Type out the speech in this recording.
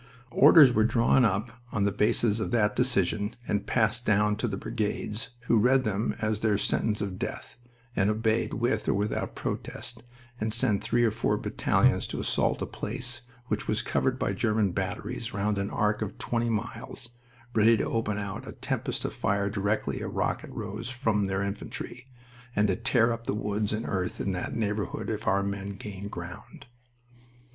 Orders were drawn up on the basis of that decision and passed down to brigades, who read them as their sentence of death, and obeyed with or without protest, and sent three or four battalions to assault a place which was covered by German batteries round an arc of twenty miles, ready to open out a tempest of fire directly a rocket rose from their infantry, and to tear up the woods and earth in that neighborhood if our men gained ground.